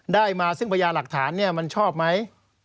ได้มาซึ่งทรียาหรักฐานมันชอบไหม